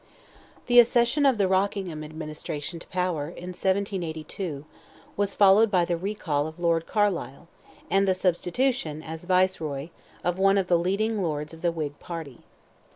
The accession of the Rockingham administration to power, in 1782, was followed by the recall of Lord Carlisle, and the substitution, as Viceroy, of one of the leading Lords of the Whig party.